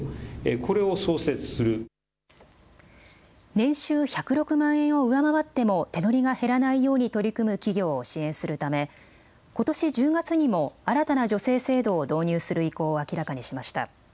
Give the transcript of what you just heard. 年収１０６万円を上回っても手取りが減らないように取り組む企業を支援するためことし１０月にも新たな助成制度を導入する意向を明らかにしました。